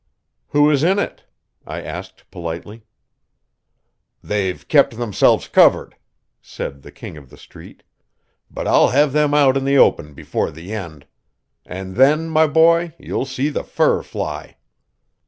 "Who is in it?" I asked politely. "They've kept themselves covered," said the King of the Street, "but I'll have them out in the open before the end. And then, my boy, you'll see the fur fly."